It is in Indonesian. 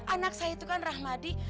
anak saya itu kan rahmadi